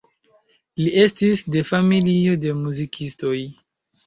Li estis de familio de muzikistoj.